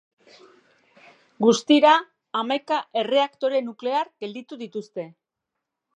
Guztira, hamaika erreaktore nuklear gelditu dituzte.